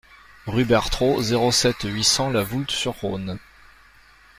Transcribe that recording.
Rue Bertraud, zéro sept, huit cents La Voulte-sur-Rhône